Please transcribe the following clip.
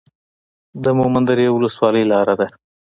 د مومند درې ولسوالۍ لاره ده